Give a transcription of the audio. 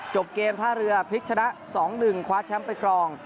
จบเกมท่าเรือพลิกชนะ๒๑คว้าแชมป์ไปครอง